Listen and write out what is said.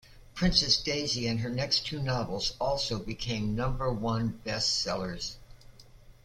"Princess Daisy" and her next two novels also became number one bestsellers.